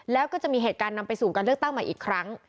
แล้วก็จะมีเหตุการณ์นำไปสู่การเลือกตั้งใหม่อีกครั้ง